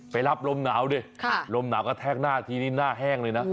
ไปรับลมหนาวด้วยลมหนามันแวะหน้าแห้งเลยนะ